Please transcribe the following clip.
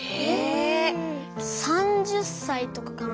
３０歳とかかな？